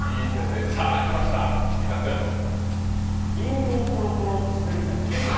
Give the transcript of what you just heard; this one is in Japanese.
りんごコロコロ滑り台。